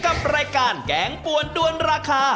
กับรายการแกงปวนด้วนราคา